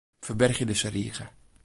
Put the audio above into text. Ferbergje dizze rige.